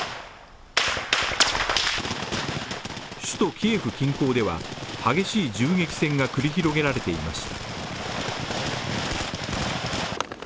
首都キエフ近郊では激しい銃撃戦が繰り広げられていました。